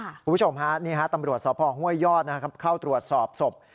คุณผู้ชมครับตำรวจสอบพห้วยยอดเข้าตรวจสอบสบ